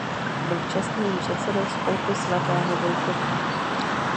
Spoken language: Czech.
Byl čestným předsedou Spolku svatého Vojtěcha.